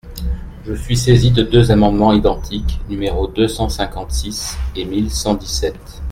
Je suis saisi de deux amendements identiques, numéros deux cent cinquante-six et mille cent dix-sept.